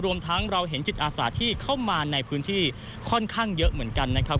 รวมทั้งเราเห็นจิตอาสาที่เข้ามาในพื้นที่ค่อนข้างเยอะเหมือนกันนะครับ